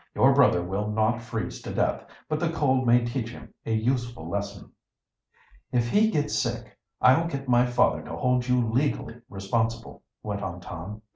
"Your brother will not freeze to death, but the cold may teach him a useful lesson." "If he gets sick, I'll get my father to hold you legally responsible," went on Tom.